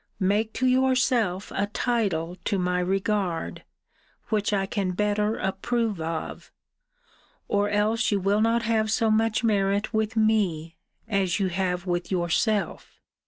Make to yourself a title to my regard, which I can better approve of; or else you will not have so much merit with me, as you have with yourself.